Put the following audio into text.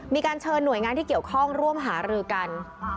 มีการเชิญหน่วยงานที่เกี่ยวข้องร่วมหารือกัน